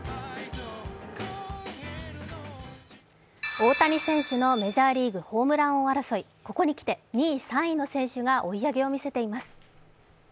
大谷選手のメジャーリーグホームラン王争い、ここにきて２位、３位の選手が追い上げを見せています。